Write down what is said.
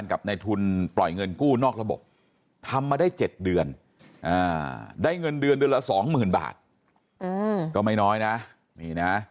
ใช่ครับยังใช่ใช่